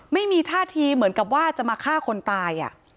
ไม่มีท่าทีเหมือนกับว่าจะมาฆ่าคนตาย